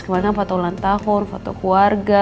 kemarin kan foto ulang tahun foto keluarga